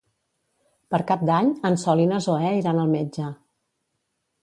Per Cap d'Any en Sol i na Zoè iran al metge.